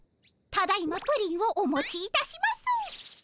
ただいまプリンをお持ちいたします。